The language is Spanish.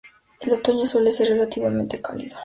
El otoño suele ser relativamente cálido.